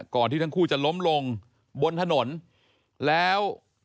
ที่ทั้งคู่จะล้มลงบนถนนแล้ว